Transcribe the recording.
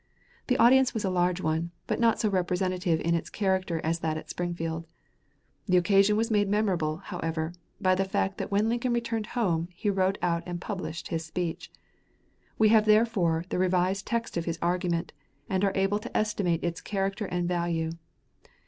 The audience was a large one, but not so representative in its character as that at Springfield. The occasion was made memorable, however, by the fact that when Lincoln returned home he wrote out and published his speech. We have therefore the revised text of his argument, and are able to estimate its character and value.